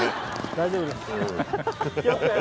大丈夫です。